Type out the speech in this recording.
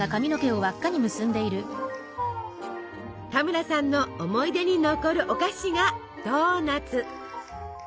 田村さんの思い出に残るお菓子がドーナツ。